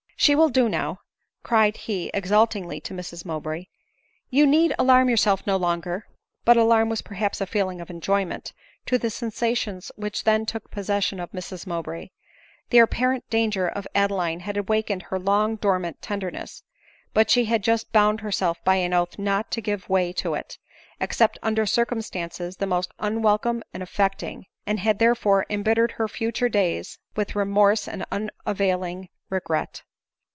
" She will do now," cried he exultingly to Mrs Mow bray ;" you need alarm yourself no longer." .But alarm was perhaps a feeling of enjoyment, to the sensations which then took possession of Mrs Mowbray. The apparent danger of Adeline had awakened her long dormant tenderness ; but she had just bound herself by an oath not to give way to it, except under circumstances the most unwelcome and affecting, and bad therefore em bittered her future days with remorse and unavailing re gret.